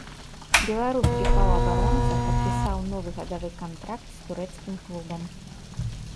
Беларускі паўабаронца падпісаў новы гадавы кантракт з турэцкім клубам.